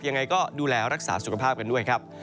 ยังไงก็ดูแลรักษาสุขภาพกันด้วยครับ